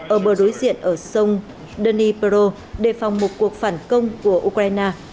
ở bờ đối diện ở sông dnipro đề phòng một cuộc phản công của ukraine